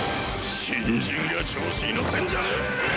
新人が調子にのってんじゃねえ！